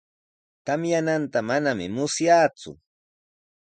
Tamyananta manami musyaaku.